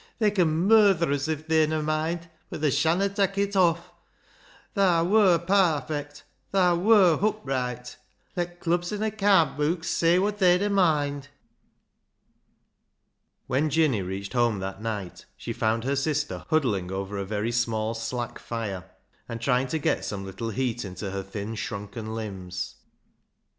They can murther uz if they'n a moind, but they shanna tak' it off. Thaa i^'itr parfect ; thaa zviir hupright ; let clubs an' accaant beuks say wod they'n a moind." When Jinny reached home that night, she found her sister huddling over a very small slack fire, and trying to get some little heat into her thin shrunken limbs.